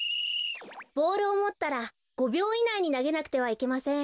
ボールをもったら５びょういないになげなくてはいけません。